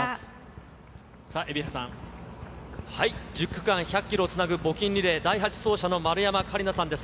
さあ、１０区間１００キロをつなぐ募金リレー、第８走者の丸山桂里奈さんです。